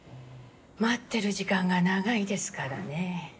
待ってる時間が長いですからね。